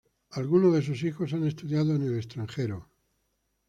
Algunos de sus hijos han estudiado en el extranjero.